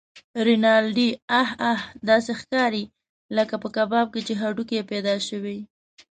رینالډي: اه اه! داسې ښکارې لکه په کباب کې چې هډوکی پیدا شوی.